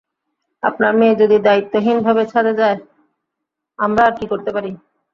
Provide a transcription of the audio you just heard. আপনার মেয়ে যদি দায়িত্বহীনভাবে ছাদে যায়, আমরা আর কি করতে পারি?